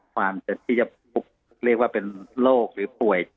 ความที่จะเรียกว่าเป็นโรคหรือป่วย